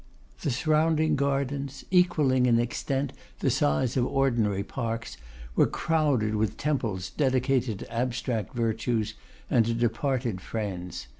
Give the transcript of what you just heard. The surrounding gardens, equalling in extent the size of ordinary parks, were crowded with temples dedicated to abstract virtues and to departed friends.